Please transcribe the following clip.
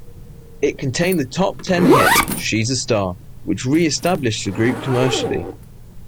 It contained the top ten hit "She's a Star" which re-established the group commercially.